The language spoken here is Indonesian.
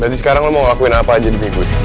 berarti sekarang lo mau ngelakuin apa aja demi gue